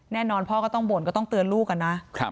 แน่นอนพ่อก็ต้องบ่นก็ต้องเตือนลูกกันนะ